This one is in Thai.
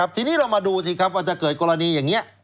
ทีนี้เรามาดูสิครับว่าถ้าเกิดกรณีอย่างนี้